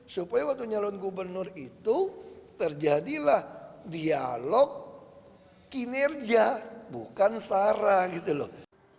supaya waktu nyalon gubernur itu terjadilah dialog kinerja bukan sarang